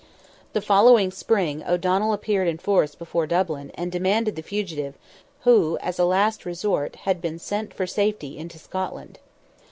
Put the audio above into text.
The following spring O'Donnell appeared in force before Dublin, and demanded the fugitive, who, as a last resort, had been sent for safety into Scotland.